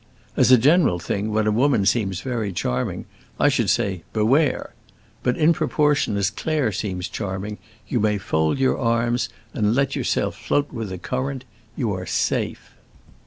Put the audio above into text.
As a general thing, when a woman seems very charming, I should say 'Beware!' But in proportion as Claire seems charming you may fold your arms and let yourself float with the current; you are safe.